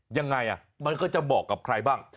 ยังไงมันก็จะเหมาะกับใครบ้าง